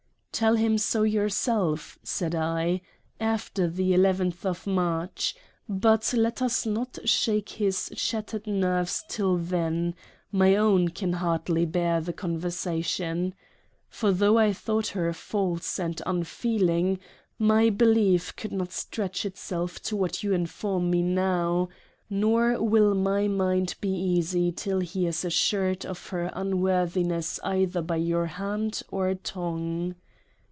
' Tell him so yourself,' said I —' after the 1 1 of March : but let us not shake his shattered nerves till then, my own can hardly bear the Conversation for tho' I thought her false TO W. A. CONWAY. 39 and unfeeling, my Belief could not stretch itself to what you inform me now : nor will my mind be easy till he is Assured of her unworthiness either by your Hand or Tongue.'